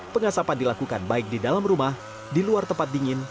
pengasapan dilakukan baik di dalam rumah di luar tempat dingin